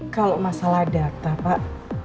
kalau masalah data pak